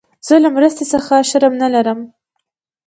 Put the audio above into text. زه له مرستي څخه شرم نه لرم.